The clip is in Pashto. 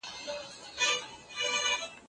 د نجونو لیلیه بې له ځنډه نه پیلیږي.